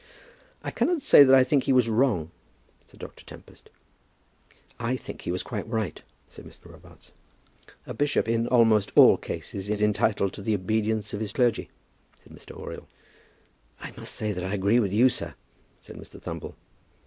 "I cannot say that I think he was wrong," said Dr. Tempest. "I think he was quite right," said Mr. Robarts. "A bishop in almost all cases is entitled to the obedience of his clergy," said Mr. Oriel. "I must say that I agree with you, sir," said Mr. Thumble.